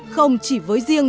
không chỉ với riêng